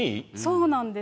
そうなんです。